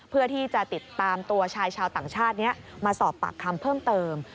เพื่อที่จะติดตามตัวชายชาวต่างชาตินี้มาสอบปากคำเพิ่มเติม